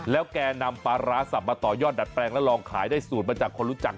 แล้วแกนำปลาร้าสับมาต่อยอดดัดแปลงแล้วลองขายได้สูตรมาจากคนรู้จัก